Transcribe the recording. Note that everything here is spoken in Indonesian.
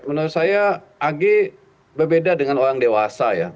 menurut saya agh berbeda dengan orang dewasa